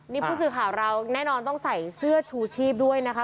นี่ผู้สื่อข่าวเราแน่นอนต้องใส่เสื้อชูชีพด้วยนะคะ